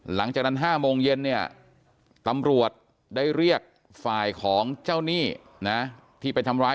หลังจากนั้น๕โมงเย็นเนี่ยตำรวจได้เรียกฝ่ายของเจ้าหนี้นะที่ไปทำร้าย